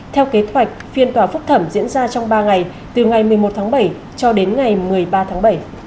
theo kế hoạch phiên tòa phúc thẩm diễn ra trong ba ngày từ ngày một mươi một tháng bảy cho đến ngày một mươi ba tháng bảy